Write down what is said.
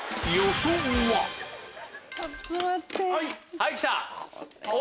はいきた！